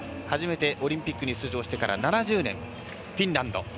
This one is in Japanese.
初めてオリンピックに出場してから７０年フィンランド。